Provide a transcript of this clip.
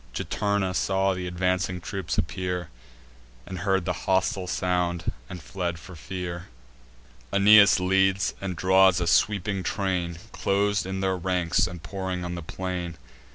Juturna saw th' advancing troops appear, And heard the hostile sound, and fled for fear. Aeneas leads; and draws a sweeping train, Clos'd in their ranks, and pouring on the plain.